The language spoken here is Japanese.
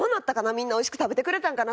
みんなおいしく食べてくれたんかな？